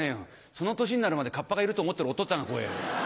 その年になるまでカッパがいるって思ってるおとっつぁんが怖えぇよ」。